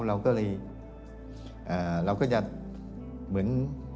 เราก็เลยเราก็จะเหมือน